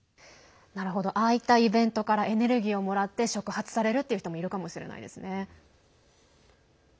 ああいったイベントからエネルギーをもらって触発されるっていう人もいるかもしれないですね。